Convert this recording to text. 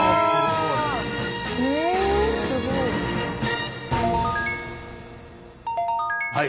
えすごい。